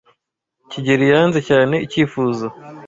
kigeli yanze cyane icyifuzo.